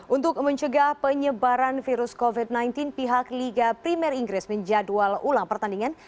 untuk mencegah penyebaran virus covid sembilan belas pihak liga primer inggris menjadwal ulang pertandingan